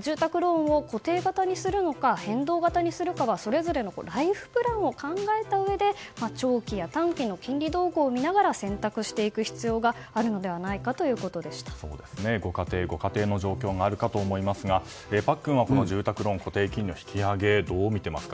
住宅ローンを固定型にするのか変動型にするかはそれぞれのライフプランを考えたうえで長期や短期の金利動向を見ながら選択していく必要がご家庭、ご家庭の状況があるかと思いますがパックンはこの住宅ローン固定金利の引き上げをどう見ていますか。